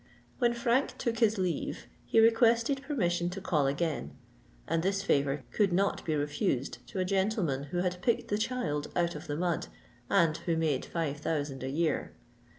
When Frank took his leave, he requested permission to call again; and this favour could not be refused to a gentleman who had picked the child out of the mud and who had five thousand a year.